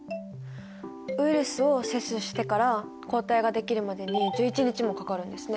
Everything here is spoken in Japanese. ウイルスを接種してから抗体ができるまでに１１日もかかるんですね。